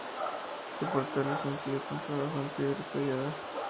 Su portal es sencillo, con trabajo en piedra tallada.